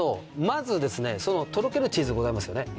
まずですねとろけるチーズございますよね？